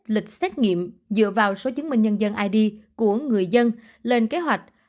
lịch xét nghiệm dựa vào số chứng minh nhân dân id của người dân lên kế hoạch